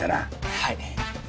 はい。